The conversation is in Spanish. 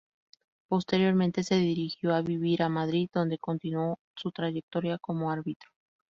Posteriormente se dirigió a vivir a Madrid, dónde continuó su trayectoria como árbitro.